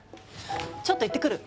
ちょっと行ってくる。